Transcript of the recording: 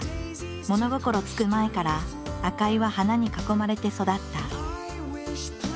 物心つく前から赤井は花に囲まれて育った。